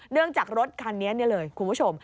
เนื่องจากรถคันนี้เลยคุณผู้ชม